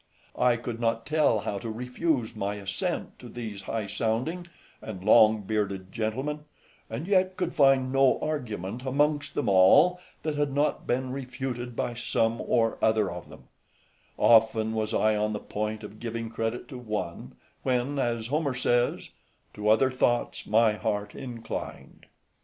I could not tell how to refuse my assent to these high sounding and long bearded gentlemen, and yet could find no argument amongst them all, that had not been refuted by some or other of them; often was I on the point of giving credit to one, when, as Homer says, "To other thoughts, My heart inclined."